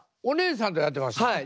お姉さんとやってました？